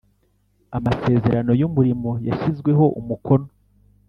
Amasezerano y umurimo yashyizweho umukono